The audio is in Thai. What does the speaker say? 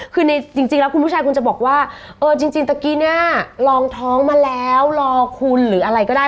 ผู้ชายคุณจะบอกว่าเออจริงตะกี้เนี่ยรองท้องมาแล้วรอคุณหรืออะไรก็ได้